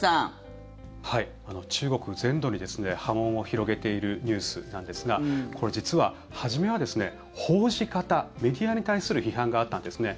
中国全土に波紋を広げているニュースなんですがこれ、実は初めは、報じ方メディアに対する批判があったんですね。